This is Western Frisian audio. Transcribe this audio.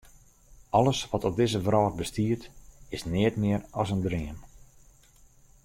Alles wat op dizze wrâld bestiet, is neat mear as in dream.